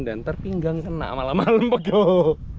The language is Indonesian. dan terpinggang kena malah malem pek yoho